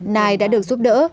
nai đã được giúp đỡ